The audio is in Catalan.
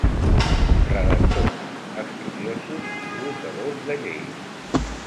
Redactors, estudiosos i glossadors de lleis.